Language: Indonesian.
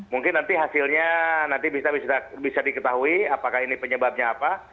mungkin nanti hasilnya nanti bisa diketahui apakah ini penyebabnya apa